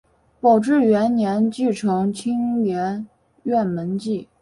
宝治元年继承青莲院门迹。